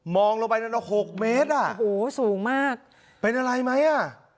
องลงไปนั้นหกเมตรอ่ะโอ้โหสูงมากเป็นอะไรไหมอ่ะ